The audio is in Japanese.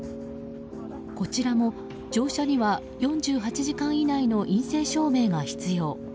こちらも乗車には４８時間以内の陰性証明が必要。